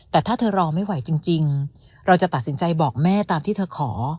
แต่ถ้าเธอรอไม่ไหวจริงเราจะตัดสินใจบอกแม่ตามที่เธอขอ